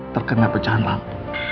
terkena pecahan lampu